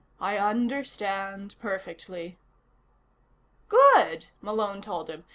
"I understand perfectly." "Good," Malone told him.